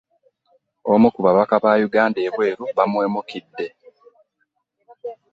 Omu ku babaka ba Yuganda ebweru baamuwemukidde.